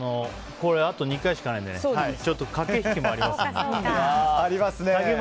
これ、あと２回しかないので駆け引きもありますので。